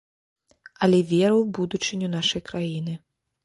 Але веру ў будучыню нашай краіны.